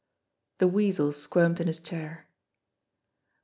The Weasel squirmed in his chair.